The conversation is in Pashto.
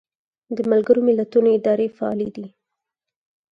د ملګرو ملتونو ادارې فعالې دي